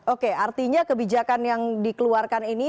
oke artinya kebijakan yang dikeluarkan ini